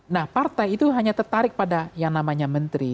nah partai itu hanya tertarik pada yang namanya menteri